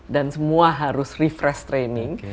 dan semua harus refresh training